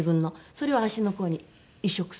それを足の甲に移植するという。